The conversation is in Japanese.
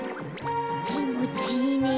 きもちいいね。